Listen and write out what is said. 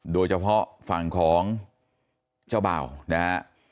โดยเฉพาะฝั่งของเจ้าบ่าวนะฮะ